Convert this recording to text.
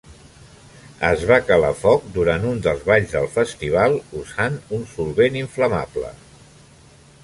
Es va calar foc durant un dels balls del festival usant un solvent inflamable.